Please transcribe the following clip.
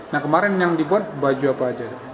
nah kemarin yang dibuat baju apa aja